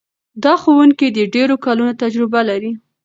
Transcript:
دا ښوونکی د ډېرو کلونو تجربه لري.